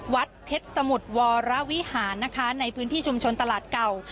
วัดเพชรสมุทรวรวิหารนะคะในพื้นที่ชุมชนตลาดเก่า